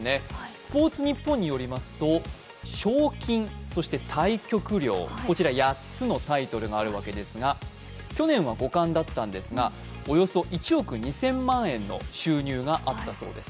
「スポーツニッポン」によりますと、賞金、対局料、こちら８つのタイトルがあるわけですが、去年は五冠だったんですがおよそ１億２０００万円の収入があったそうです。